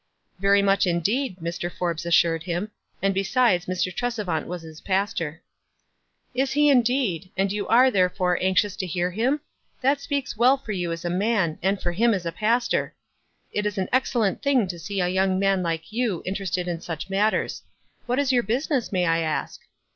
"Very much, indeed," Mr. Forbes assured him ; "and, besides, Mr. Trcsevant was his pas tor." 92 WISE AND OTHERWISE. "Is he, indeed? And you are, therefore, anxious to hear him ? That speaks well for you as a man, and for him as a pastor. It is an ex cellent thing to see a young man like you inter ested in such matters. What is your business, may I ask